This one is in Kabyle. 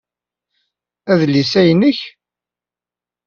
Adlis-a nnek?